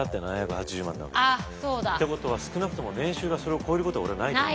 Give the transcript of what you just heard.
あっそうだ！ってことは少なくとも年収がそれを超えることは俺はないと思う。